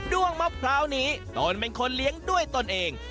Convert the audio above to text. ้วงมะพร้าวนี้ตนเป็นคนเลี้ยงด้วยตนเอง